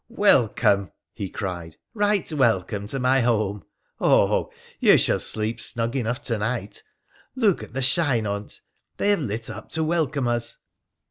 ' Welcome !' he cried, ' right welcome to my home ! Ho ! ho ! you shall sleep snug enough to night. Look at the Bhine on 't. They have lit up to welcome us